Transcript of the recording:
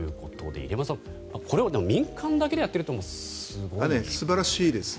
入山さん、これを民間だけでやっているのがすごいですよね。